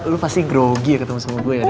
lo pasti grogi ketemu semua gue ya